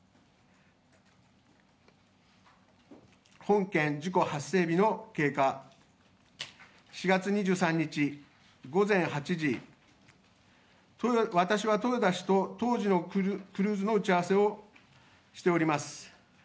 本件事故発生日の経過、４月２３日、午前８時私は豊田氏と当時のクルーズの打ち合わせをしております。